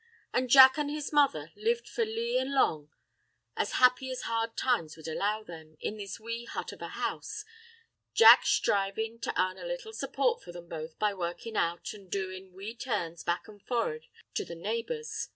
An' Jack an' his mother lived for lee an' long, as happy as hard times would allow them, in this wee hut of a house, Jack sthrivin' to 'arn a little support for them both by workin' out, an' doin' wee turns back an' forrid to the neighbors.